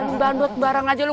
kambing bandot bareng aja lo